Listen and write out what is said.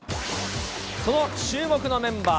その注目のメンバー。